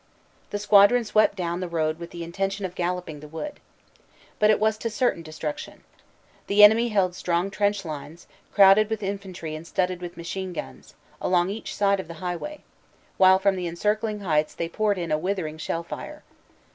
The squadron swept down the road with the intention of galloping the wood. But it was to certain destruction. The enemy held strong trench lines, crowded with infantry and studded with machine guns, along each side of the highway, while from the encircling heights they poured in a withering shell fire.